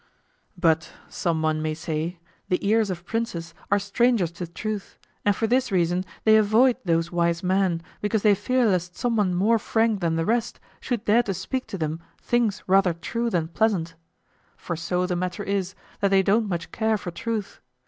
But, someone may say, the ears of princes are strangers to truth, and for this reason they avoid those wise men, because they fear lest someone more frank than the rest should dare to speak to them things rather true than pleasant; for so the matter is, that they don't much care for truth.